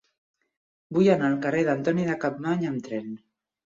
Vull anar al carrer d'Antoni de Capmany amb tren.